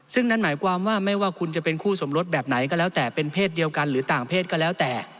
ซึ่งนั่นหมายความว่าไม่ว่าคุณจะเป็นคู่สมรสแบบไหนก็แล้วแต่เป็นเพศเดียวกันหรือต่างเพศก็แล้วแต่